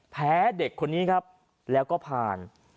เด็กคนนี้ครับแล้วก็ผ่าน